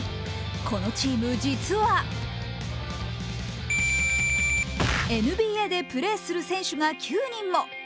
このチーム、実はＮＢＡでプレーする選手が９人も。